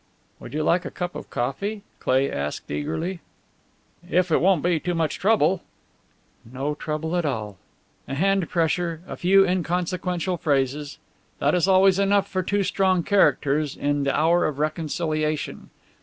"Would you like a cup of coffee?" Cleigh asked, eagerly. "If it won't be too much trouble." "No trouble at all." A hand pressure, a few inconsequent phrases, that is always enough for two strong characters in the hour of reconciliation.